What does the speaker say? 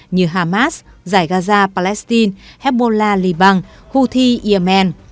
như hamas giải gaza palestine hezbollah liban houthi yemen